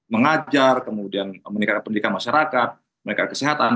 mengajar kemudian meningkatkan pendidikan masyarakat meningkat kesehatan